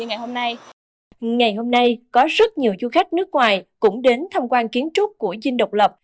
ngày hôm nay có rất nhiều du khách nước ngoài cũng đến thăm quan kiến trúc của dinh độc lập